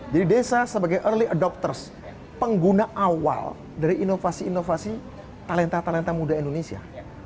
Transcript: jadi desa sebagai early adopters pengguna awal dari inovasi inovasi talenta talenta muda indonesia